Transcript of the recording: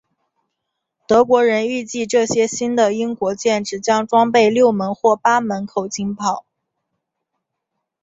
德国人预计这些新的英国舰只将装备六门或八门口径炮。